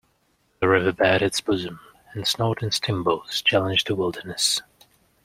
The river bared its bosom, and snorting steamboats challenged the wilderness.